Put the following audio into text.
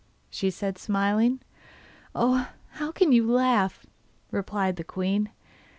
said she, smiling. 'Oh, how can you laugh!' replied the queen.